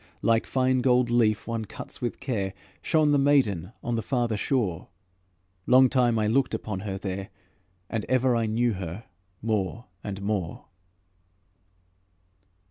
Like fine gold leaf one cuts with care, Shone the maiden on the farther shore. Long time I looked upon her there, And ever I knew her more and more.